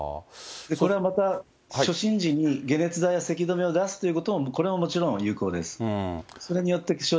それはまた初診時に解熱剤やせき止めを出すということも、これももちろん有効です。